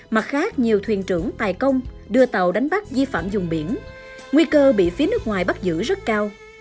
mặt khác nhiều thuyền trưởng tài công đưa tàu đánh bắt di phạm dùng biển nguy cơ bị phía nước ngoài bắt giữ rất cao